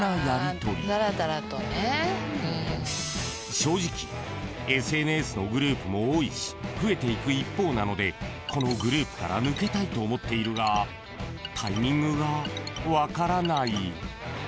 ［正直ＳＮＳのグループも多いし増えていく一方なのでこのグループから抜けたいと思っているがタイミングが分からない］